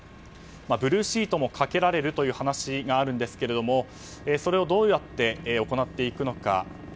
ブルーシートもかけられるという話があるんですがそれをどうやって行っていくのか。